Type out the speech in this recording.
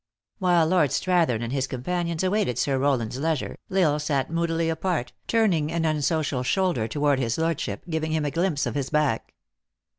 While Lord Strathern and his companions awaited Sir Rowland s leisure, L Isle sat moodily apart, turn ing an unsocial shoulder toward his lordship, giving him a glimpse of his back.